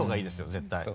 絶対。